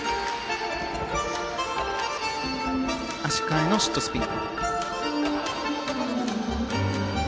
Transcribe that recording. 足換えのシットスピン。